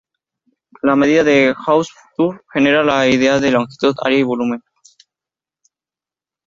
La medida de Hausdorff generaliza la idea de longitud, área y volumen.